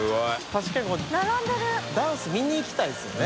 確かにダンス見に行きたいですよね。